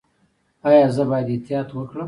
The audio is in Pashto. ایا زه باید احتیاط وکړم؟